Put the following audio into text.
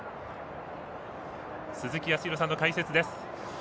鈴木康弘さんの解説です。